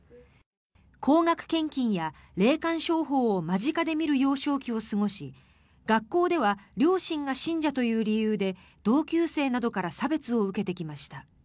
高額献金や霊感商法を間近で見る幼少期を過ごし学校では両親が信者という理由で同級生などから差別を受けてきました。